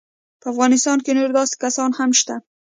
په افغانستان کې نور داسې کسان هم شته.